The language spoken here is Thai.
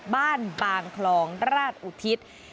บางคลองราชอุทิศ